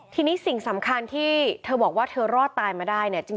ทีนี้สิ่งสำคัญที่เธอบอกว่าเธอรอดตายมาได้เนี่ย